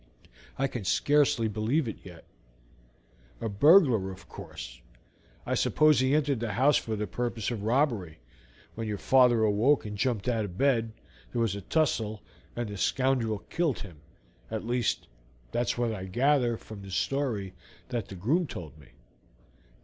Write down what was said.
I can scarcely believe it yet. A burglar, of course. I suppose he entered the house for the purpose of robbery, when your father awoke and jumped out of bed, there was a tussle, and the scoundrel killed him; at least, that is what I gather from the story that the groom told me."